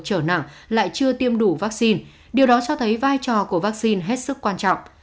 trở nặng lại chưa tiêm đủ vaccine điều đó cho thấy vai trò của vaccine hết sức quan trọng